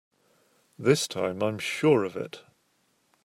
This time I'm sure of it!